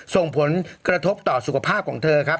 ส่งผลกระทบต่อสุขภาพของเธอครับ